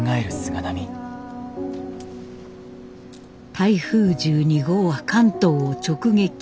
台風１２号は関東を直撃。